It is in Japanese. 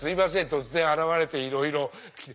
突然現れていろいろ聞いて。